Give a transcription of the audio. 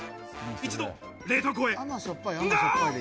一度、冷凍庫へ。